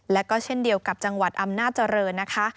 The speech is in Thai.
และก็เช่นเดียวกับจังหวัดอำนาจริงนะคะ